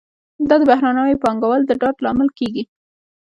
دا د بهرنیو پانګوالو د ډاډ لامل کیږي.